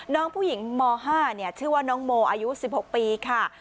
น้องผู้หญิงม๕ชื่อว่าน้องโมอายุ๑๖ปีค่ะ